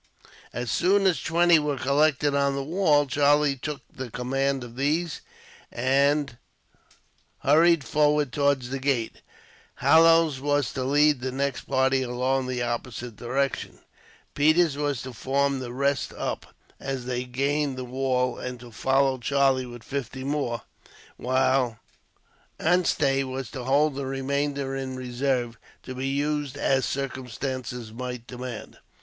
As soon as twenty men were collected on the wall, Charlie took the command of these, and hurried forward towards the gate. Hallowes was to lead the next party along the opposite direction. Peters was to form the rest up, as they gained the wall, and to follow Charlie with fifty more; while Anstey was to hold the remainder in reserve, to be used as circumstances might demand.